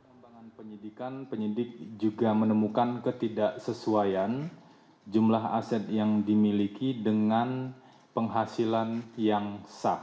pengembangan penyidikan penyidik juga menemukan ketidaksesuaian jumlah aset yang dimiliki dengan penghasilan yang sah